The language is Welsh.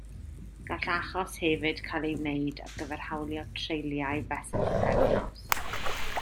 Gall achos hefyd cael ei wneud ar gyfer hawlio treuliau fesul pythefnos